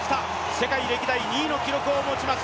世界歴代２位の記録を持ちます